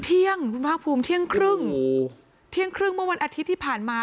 เที่ยงคุณภาคภูมิเที่ยงครึ่งโอ้โหเที่ยงครึ่งเมื่อวันอาทิตย์ที่ผ่านมา